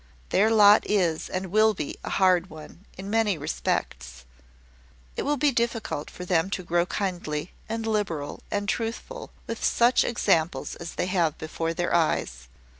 Their lot is and will be a hard one, in many respects. It will be difficult for them to grow kindly, and liberal, and truthful, with such examples as they have before their eyes.